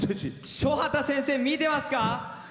先生、見てますか？